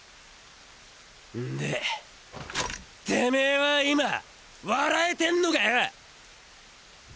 ンでてめェは今笑えてンのかよ？